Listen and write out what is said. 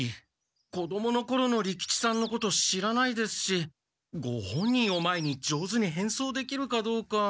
子どものころの利吉さんのこと知らないですしご本人を前に上手にへんそうできるかどうか。